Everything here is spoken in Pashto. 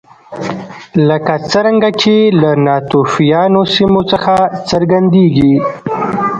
لکه څرنګه چې له ناتوفیانو سیمو څخه څرګندېږي